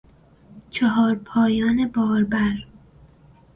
چارپایان باربر